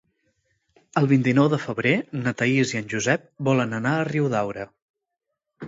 El vint-i-nou de febrer na Thaís i en Josep volen anar a Riudaura.